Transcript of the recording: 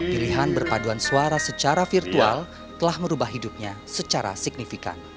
pilihan berpaduan suara secara virtual telah merubah hidupnya secara signifikan